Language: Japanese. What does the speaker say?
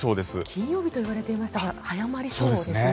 金曜日といわれていましたが早まりそうですね。